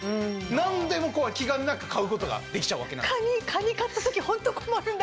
何でも気兼ねなく買うことができちゃうわけなんです。